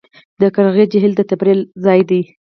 د قرغې جهیل د تفریح ځای دی